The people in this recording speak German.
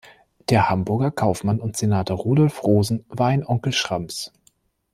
Der Hamburger Kaufmann und Senator Rudolph Roosen war ein Onkel Schramms.